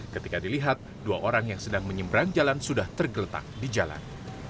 ketika dilihat dua orang yang sedang menyeberang jalan sudah tergeletak di jalan